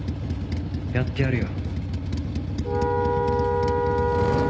やってやるよ。